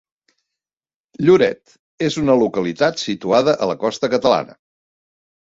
Lloret és una localitat situada a la costa catalana.